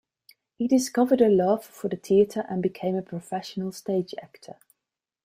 He discovered a love for the theater and became a professional stage actor.